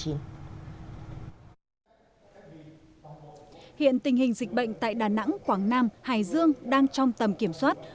hiện tình hình dịch bệnh tại đà nẵng quảng nam hải dương đang trong tầm kiểm soát